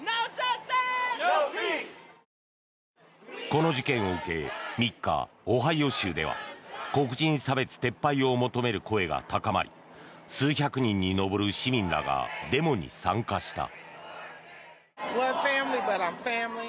この事件を受け３日、オハイオ州では黒人差別撤廃を求める声が高まり数百人に上る市民らがデモに参加した。